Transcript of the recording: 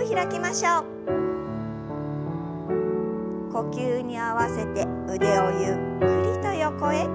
呼吸に合わせて腕をゆっくりと横へ。